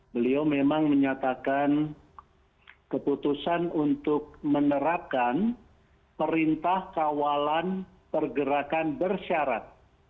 beliau memang menyatakan keputusan untuk menerapkan perintah kawalan pergerakan bersyarat